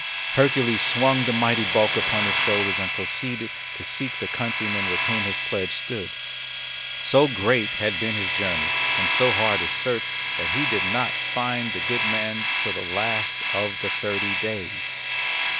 Hercules swung the mighty bulk upon his shoulders and proceeded to seek the countryman with whom his pledge stood. So great had been his journey, and so hard his search, that he did not find the good man till the last of the thirty days.